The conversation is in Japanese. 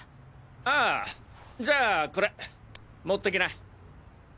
ああじゃあこれ持ってきな。